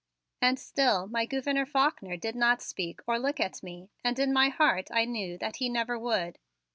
And still my Gouverneur Faulkner did not speak or look at me and in my heart I then knew that he never would.